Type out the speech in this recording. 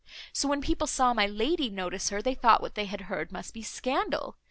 So when people saw my lady notice her, they thought what they had heard must be scandal.